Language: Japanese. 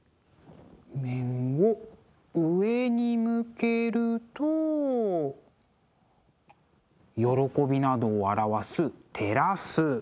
面を上に向けると喜びなどを表すテラス。